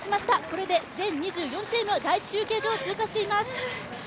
これで全２４チーム、第１中継所を通過しています。